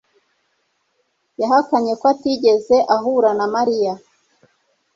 yahakanye ko atigeze ahura na Mariya.